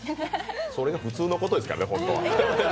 それが普通のことですからね、本当は。